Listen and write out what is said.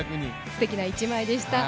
すてきな一枚でした。